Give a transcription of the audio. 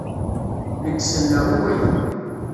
Nekk selleɣ i waya.